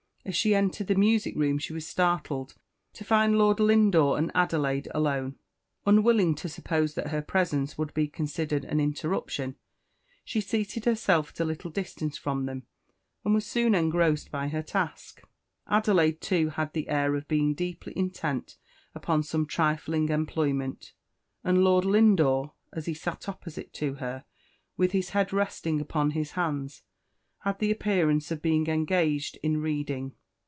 As she entered the music room she was startled to find Lord Lindore and Adelaide alone. Unwilling to suppose that her presence would be considered as an interruption, she seated herself at a little distance from them, and was soon engrossed by her task. Adelaide, too, had the air of being deeply intent upon some trifling employment; and Lord Lindore, as he sat opposite to her, with his head resting upon his hands, had the appearance of being engaged in reading.